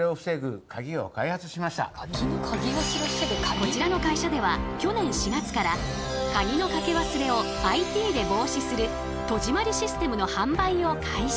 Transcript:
こちらの会社では去年４月からカギのかけ忘れをＩＴで防止する戸締まりシステムの販売を開始。